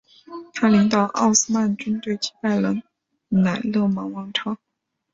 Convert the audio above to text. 他领导奥斯曼军队击败了尕勒莽王朝。